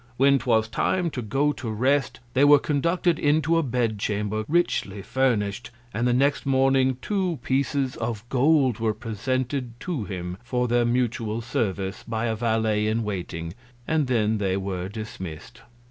When 'twas Time to go to Rest, they were conducted into a Bed chamber richly furnish'd; and the next Morning two Pieces of Gold were presented to him for their mutual Service, by a Valet in waiting; and then they were dismiss'd.